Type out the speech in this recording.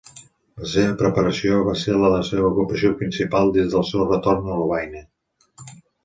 La seva preparació va ser la seva ocupació principal des del seu retorn a Lovaina.